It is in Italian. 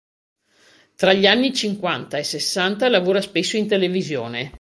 Tra gli anni cinquanta e sessanta lavora spesso in televisione.